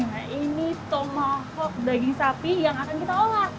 nah ini tomo daging sapi yang akan kita olah